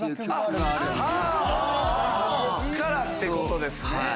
そっからってことですね。